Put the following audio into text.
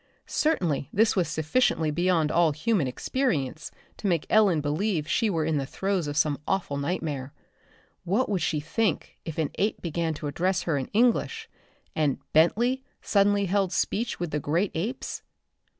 Certainly this was sufficiently beyond all human experience to make Ellen believe she were in the throes of some awful nightmare. What would she think if an ape began to address her in English, and "Bentley" suddenly held speech with the great apes?